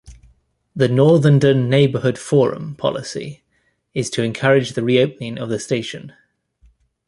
The Northenden Neighbourhood Forum policy is to encourage the reopening of the station.